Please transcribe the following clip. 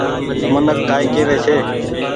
منک ڪآئي ڪيوي ڇي۔